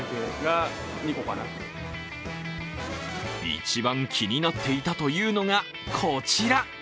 一番気になっていたというのが、こちら。